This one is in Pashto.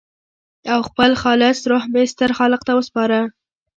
او خپل خالص روح مې ستر خالق ته وسپاره.